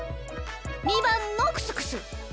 ２ばんのクスクス。